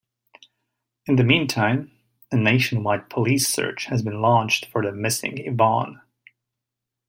In the meantime, a nationwide police search has been launched for the missing Yvonne.